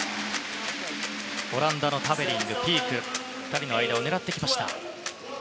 オランダのタベリングとピーク２人の間を狙っていきました。